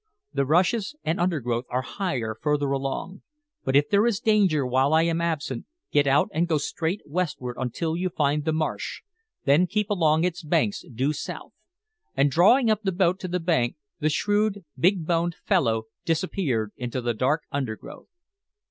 The rushes and undergrowth are higher further along. But if there is danger while I am absent get out and go straight westward until you find the marsh, then keep along its banks due south," and drawing up the boat to the bank the shrewd, big boned fellow disappeared into the dark undergrowth.